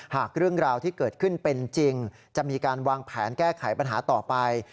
หากเรื่องราวที่เกิดขึ้นเป็นจริงจะมีการวางแผนแก้ไขปัญหาต่อไป